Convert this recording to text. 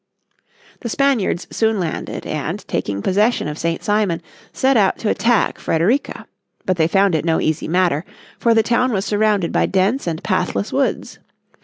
The Spaniards soon landed and, taking possession of St. Simon, set out to attack Frederica. But they found it no easy matter, for the town was surrounded by dense and pathless woods.